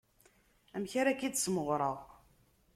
Amek ara k-id-smeɣreɣ.